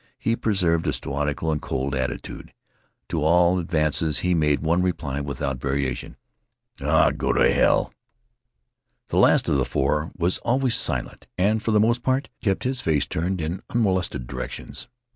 He preserved a stoical and cold attitude. To all advances he made one reply without variation, "Ah, go t' hell!" The last of the four was always silent and, for the most part, kept his face turned in unmolested directions.